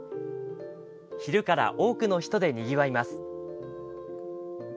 昼から多くの人でにぎわいます。